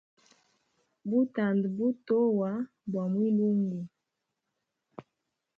Butanda butoa bwa mwilungu.